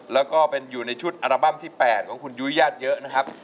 แล้วก็เป็นอยู่ในชุดอัลบั้มที่๘ของคุณยุ้ยญาติเยอะนะครับ